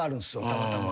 たまたま。